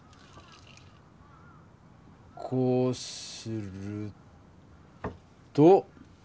こうすると。